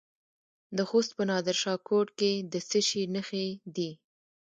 د خوست په نادر شاه کوټ کې د څه شي نښې دي؟